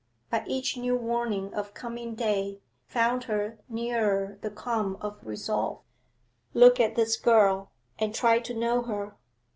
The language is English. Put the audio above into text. But each new warning of coming day found her nearer the calm of resolve. Look at this girl, and try to know her.